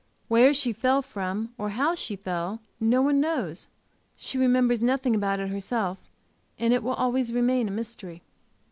Where she fell from, or how she fell, no one knows; she remembers nothing about it herself, and it will always remain a mystery.